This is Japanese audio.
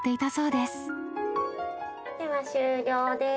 では終了です。